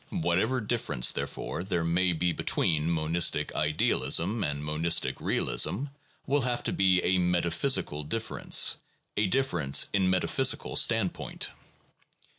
Whatever difference, there fore, there may be between monistic idealism and monistic realism will have to be a metaphysical difference, a difference in metaphysical standpoint.